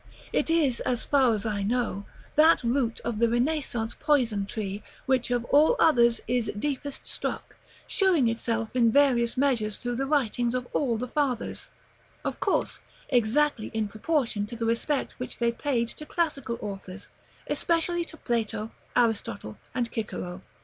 It is, as far as I know, that root of the Renaissance poison tree, which, of all others, is deepest struck; showing itself in various measures through the writings of all the Fathers, of course exactly in proportion to the respect which they paid to classical authors, especially to Plato, Aristotle, and Cicero.